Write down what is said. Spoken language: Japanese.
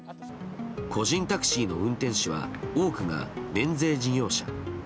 個人タクシーの運転手は多くが免税事業者。